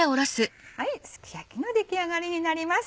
すき焼きの出来上がりになります。